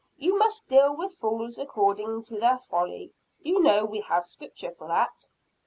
But you must deal with fools according to their folly you know we have Scripture for that."